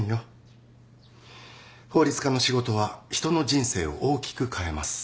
法律家の仕事は人の人生を大きく変えます。